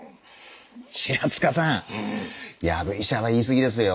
平塚さん藪医者は言い過ぎですよ。